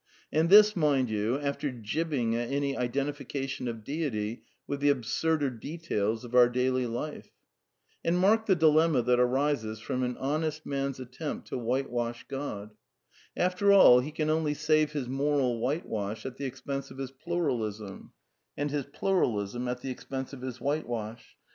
And this, mind you, after jibbing at any identi fication of deity with the absurder details of our daily life. And mark the dilenmia that arises from an honest man's attempt to whitewash God. After all, he can only save his | moral whitewash at the expense of his Pluralism, and his (^ Pluralism at the expense of his whitewash.